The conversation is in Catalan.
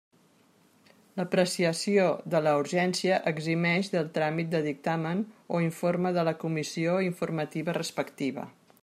L'apreciació de la urgència eximeix del tràmit de dictamen o informe de la comissió informativa respectiva.